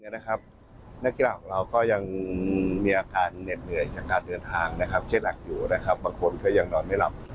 นักกีฬาของเราก็ยังมีอาการเหน็ดเหนื่อยจากการเดินทางเช่นหนักอยู่นะครับบางคนก็ยังนอนไม่หลับ